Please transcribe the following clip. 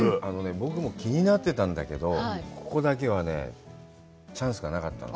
僕も気になってたんだけど、ここだけはチャンスがなかったの。